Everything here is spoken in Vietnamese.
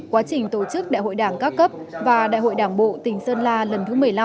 quá trình tổ chức đại hội đảng các cấp và đại hội đảng bộ tỉnh sơn la lần thứ một mươi năm